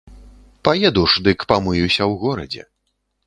Паеду ж, дык памыюся ў горадзе.